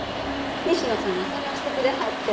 西野さんが捜してくれはって。